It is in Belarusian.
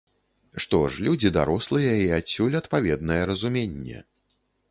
Што ж, людзі дарослыя і адсюль адпаведнае разуменне.